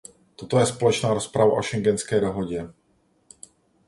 Toto je společná rozprava o Schengenské dohodě.